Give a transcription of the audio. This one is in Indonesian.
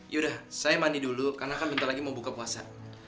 yaudah saya mandi dulu karena kan bentar lagi mau buka puasa